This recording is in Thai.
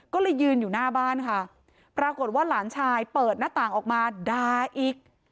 ก็เลยยืนอยู่หน้าบ้านค่ะปรากฏว่าหลานชายเปิดหน้าต่างออกมาด่าอีก